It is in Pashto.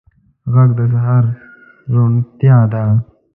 غږ د سهار روڼتیا ده